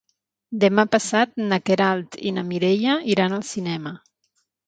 Demà passat na Queralt i na Mireia iran al cinema.